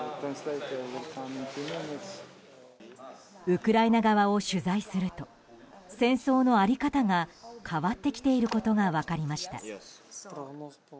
ウクライナ側を取材すると戦争の在り方が変わってきていることが分かりました。